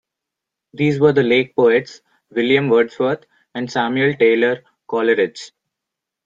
These were the Lake Poets William Wordsworth and Samuel Taylor Coleridge.